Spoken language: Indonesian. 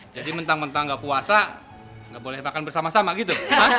jadi mentang mentang gak puasa gak boleh makan bersama sama gitu